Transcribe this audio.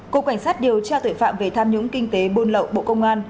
cục cảnh sát điều tra tuyển phạm về tham nhũng kinh tế bôn lậu bộ công an